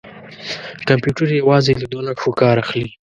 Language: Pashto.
کمپیوټر یوازې له دوه نښو کار اخلي.